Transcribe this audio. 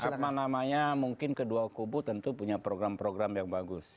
jadi ini apa namanya mungkin kedua kubu tentu punya program program yang bagus